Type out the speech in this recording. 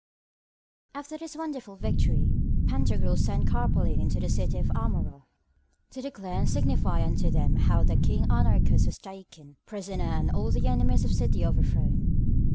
After this wonderful victory, Pantagruel sent Carpalin unto the city of the Amaurots to declare and signify unto them how the King Anarchus was taken prisoner and all the enemies of the city overthrown.